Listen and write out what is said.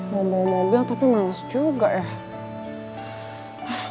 mau bawa mobil tapi males juga ya